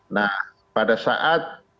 nah pada saat